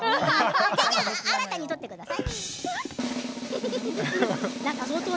新たに取ってください。